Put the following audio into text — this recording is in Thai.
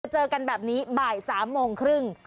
เจอกันแบบนี้บ่าย๓โมงครึ่ง